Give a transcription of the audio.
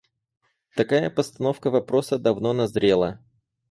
Такая постановка вопроса давно назрела.